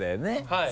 はい。